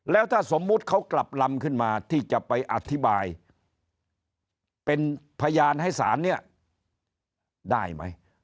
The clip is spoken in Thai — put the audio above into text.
แล้วถ้าสมมุติเขากลับลำขึ้นมาที่จะไปอธิบายเป็นพยานให้ศาลเนี่ยได้ไหม